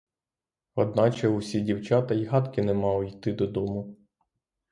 Одначе усі дівчата й гадки не мали йти додому.